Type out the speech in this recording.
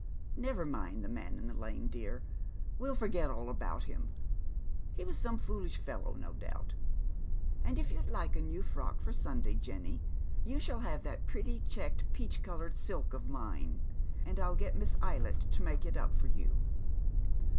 Never mind the man in tho lane, dear. We'll forget all about liim. He was some foolish fellow, no doubt. And if you'd like a new frock for Sunday, Jenny, you si i all have that pretty checked peach coloured silk oi" mine, and I'll get Misa Eylett to make it up for you."